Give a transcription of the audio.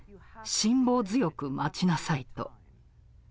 「辛抱強く待ちなさい」と。